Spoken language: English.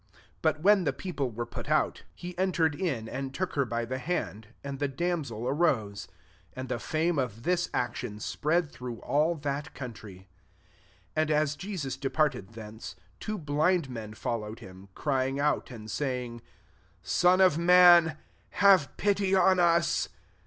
25 But wben th( people were put out, he enter MATTHEW X. ar ed in, and took her by the hand, and the damsel arose. £6 And the fame of this action spread through all that country. 27 And as Jesus departed thence, two blind men followed him, crying out, and saying, Son of David, have pity on us."